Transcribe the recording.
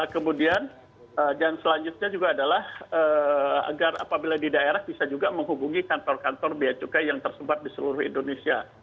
kemudian dan selanjutnya juga adalah agar apabila di daerah bisa juga menghubungi kantor kantor biaya cukai yang tersebar di seluruh indonesia